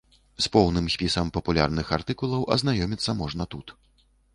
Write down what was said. З поўным спісам папулярных артыкулаў азнаёміцца можна тут.